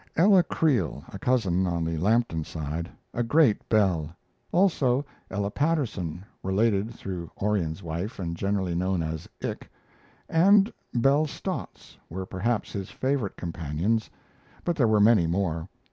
Ella Creel, a cousin on the Lampton side, a great belle; also Ella Patterson (related through Orion's wife and generally known as "Ick"), and Belle Stotts were perhaps his favorite companions, but there were many more.